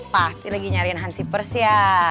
pasti lagi nyariin hansipers ya